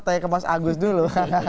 saya ke mas agus dulu